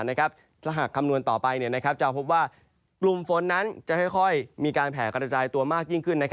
ถ้าหากคำนวณต่อไปจะพบว่ากลุ่มฝนนั้นจะค่อยมีการแผ่กระจายตัวมากยิ่งขึ้น